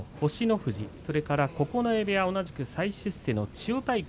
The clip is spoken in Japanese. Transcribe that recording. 富士それから九重部屋同じと再出世の千代大光